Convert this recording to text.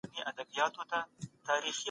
ښوونکي درس تنظيم کړی دی او تدريس منظم سوی دی.